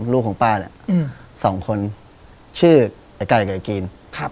ลูกของป้าเนี่ย๒คนชื่อไอ้ไก่กับไอ้กีน